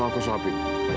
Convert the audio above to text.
mak aku sopi